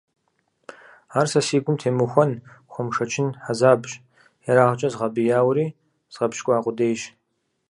Ар сэ си гум темыхуэн, хуэмышэчын хьэзабщ, ерагъкӀэ згъэбэяури згъэпщкӀуа къудейщ.